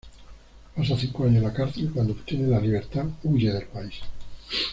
Pasa cinco años en la cárcel y cuando obtiene la libertad, huye del país.